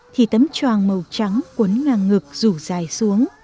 thì tấm choàng màu trắng cuốn ngang ngược rủ dài xuống